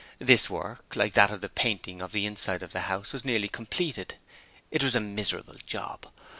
This work, like that of the painting of the inside of the house, was nearly completed. It was a miserable job.